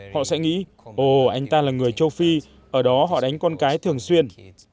họ sẽ nghĩ ồ anh ta là người châu phi ở đó họ đánh con cái thường xuyên